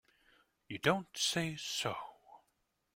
You don't say so!